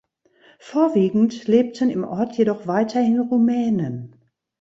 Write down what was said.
Vorwiegend lebten im Ort jedoch weiterhin Rumänen.